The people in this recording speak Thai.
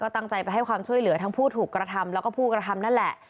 ตั้งใจไปให้ความช่วยเหลือทั้งผู้ถูกกระทำแล้วก็ผู้กระทำนั่นแหละ